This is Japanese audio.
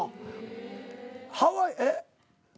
ハワイえっ？